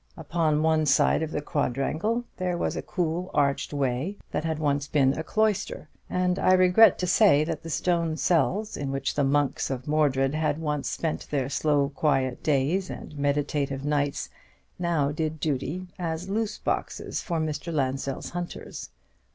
Upon one side of the quadrangle there was a cool arched way that had once been a cloister; and I regret to say that the stone cells in which the monks of Mordred had once spent their slow quiet days and meditative nights now did duty as loose boxes for Mr. Lansdell's hunters.